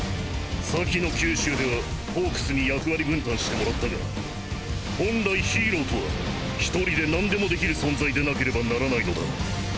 先の九州ではホークスに役割分担してもらったが本来ヒーローとは１人で何でもできる存在でなければならないのだ。